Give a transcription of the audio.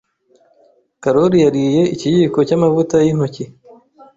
Karoli yariye ikiyiko cyamavuta yintoki.